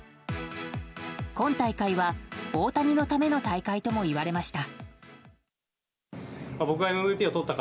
今大会は大谷のための大会ともいわれました。